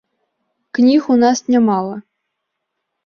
Кніг у нас нямала.